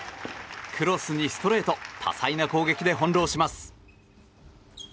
クロスにストレート多彩な攻撃で翻弄します。